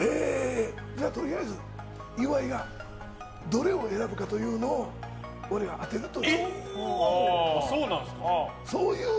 とりあえず、岩井がどれを選ぶかというのを俺が当てると。